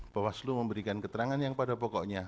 bawaslu memberikan keterangan yang pada pokoknya